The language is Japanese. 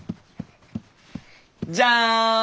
じゃん！